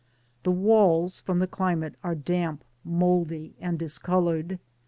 The walls, from the climate, are damp, mouldy, and discoloured.